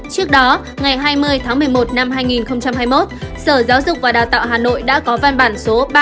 trước đó ngày hai mươi tháng một mươi một năm hai nghìn hai mươi một sở giáo dục và đào tạo hà nội đã có văn bản số ba nghìn chín trăm chín mươi năm